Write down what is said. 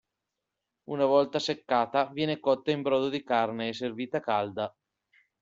Una volta seccata, viene cotta in brodo di carne e servita calda.